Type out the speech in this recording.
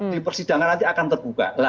di persidangan nanti akan terbuka